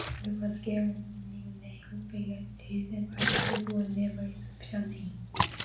It was given the nickname, Pea Ridge, but this was never its official name.